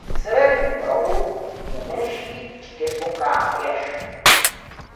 V severním rohu je menší čtyřboká věž.